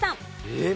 えっ？